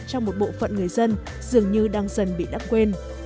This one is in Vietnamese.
trong một bộ phận người dân dường như đang dần bị đắp quên